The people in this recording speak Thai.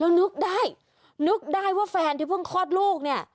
แล้วนึกได้นึกได้ว่าแฟนที่เพิ่งคลอดลูกเนี่ย